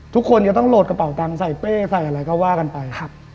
ทุกคนจะต้องโหลดกระเป๋าตังค์ใส่เป้ใส่อะไรก็ว่ากันไป